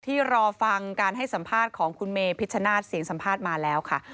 รอฟังการให้สัมภาษณ์ของคุณเมพิชชนาศเสียงสัมภาษณ์มาแล้วค่ะ